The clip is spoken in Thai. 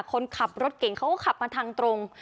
คนขับรถเก่งเขาก็ขับมาทางตรง